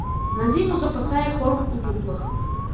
На зіму запасае корм у дуплах.